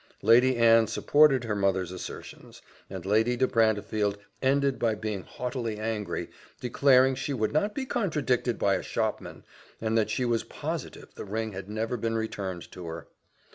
Lady Anne supported her mother's assertions; and Lady de Brantefield ended by being haughtily angry, declaring she would not be contradicted by a shopman, and that she was positive the ring had never been returned to her.